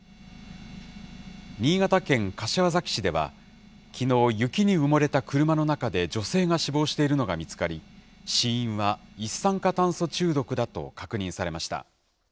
新潟県柏崎市では、きのう、雪に埋もれた車の中で女性が死亡しているのが見つかり、死因は一酸化炭素中毒だと確認されました。